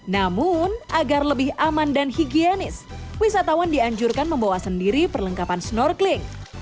namun agar lebih aman dan higienis wisatawan dianjurkan membawa sendiri perlengkapan snorkeling